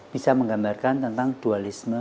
bisa menggambarkan tentang dualisme